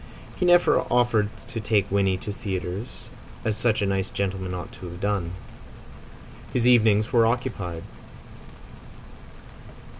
He never offered to take Winnie to theatres, as such a nice gentleman ought to have done. His evenings were occupied.